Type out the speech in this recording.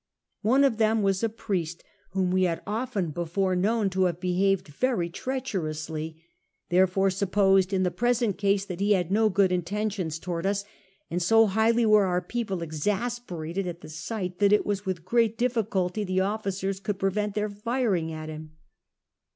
One of them was a priest, whom we had i64 CAPTAIN COOK CHAP. often before known to have behaved very treaclierouely, therefore supposed in the present case that he had no good intentions towards us; and so highly were our people ex asperated at the sights that it was with great difficulty the officers could prevent tiieir firing at him.